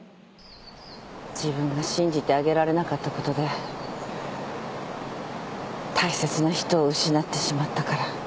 自分が信じてあげられなかったことで大切な人を失ってしまったから。